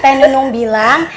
teh nunung bilang